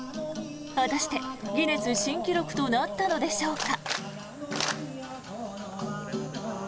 果たして、ギネス新記録となったのでしょうか。